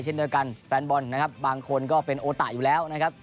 เช่นนี้กันแฟนบอลบางคนดูก็เป็นโอตะอยู่แล้วนะครับ